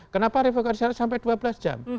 kenapa recovery saya sampai dua belas jam